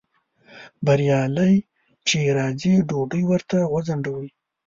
بریالی چې راځي ډوډۍ ورته وځنډوئ